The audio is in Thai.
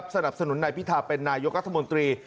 สนับสนุนนายพิธาเป็นนายกรัฐมนตรี